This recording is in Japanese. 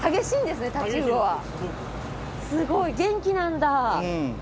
すごい元気なんだ。